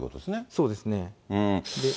そうですね。